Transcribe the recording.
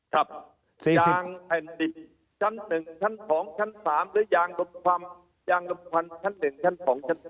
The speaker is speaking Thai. ครับยางแผ่นดินชั้น๑ชั้น๒ชั้น๓หรือยางลำความยางลมควันชั้น๑ชั้น๒ชั้น๓